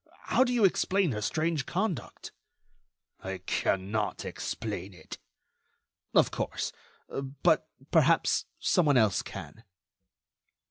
How do you explain her strange conduct?" "I cannot explain it." "Of course; but, perhaps, someone else can."